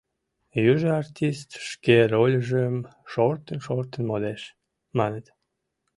Южо артист шке рольжым шортын-шортын модеш, маныт.